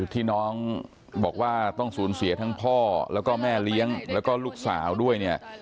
ที่น้องบอกว่าต้องสูญเสียทั้งพ่อแล้วก็แม่เลี้ยงแล้วก็ลูกสาวด้วยเนี่ย